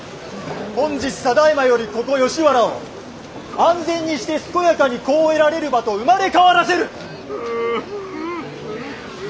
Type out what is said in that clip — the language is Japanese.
本日ただいまよりここ吉原を安全にして健やかに子を得られる場と生まれ変わらせる！